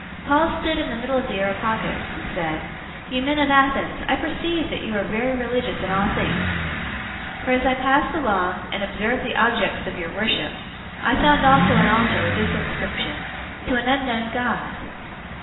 017:022 Paul stood in the middle of the Areopagus, and said, "You men of Athens, I perceive that you are very religious in all things. 017:023 For as I passed along, and observed the objects of your worship, I found also an altar with this inscription: 'TO AN UNKNOWN GOD.'